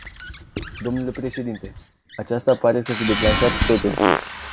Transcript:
Dle președinte, aceasta pare să fi declanșat totul.